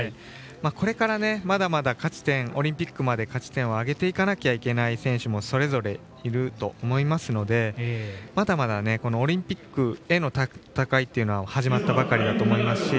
これからまだまだオリンピックまで価値点を上げていかなければいけないそれぞれ、いると思いますのでまだまだオリンピックへの戦いは始まったばかりだと思いますし。